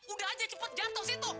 udah aja cepet jatuh situ